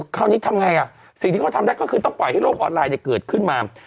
คราวนี้ทำไงอ่ะสิ่งที่เขาทำได้ก็คือต้องปล่อยให้โลกออนไลน์เกิดขึ้นมา